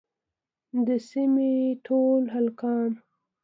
د سيمې ټول هلکان